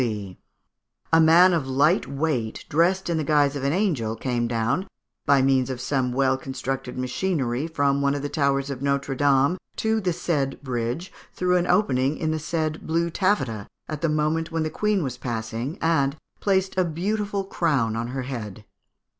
A man of light weight, dressed in the guise of an angel, came down, by means of some well constructed machinery, from one of the towers of Notre Dame, to the said bridge through an opening in the said blue taffeta, at the moment when the Queen was passing, and placed a beautiful crown on her head.